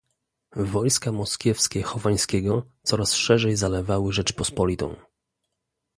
"Wojska moskiewskie Chowańskiego coraz szerzej zalewały Rzeczpospolitą."